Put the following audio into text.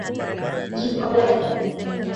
Jiko la gesi.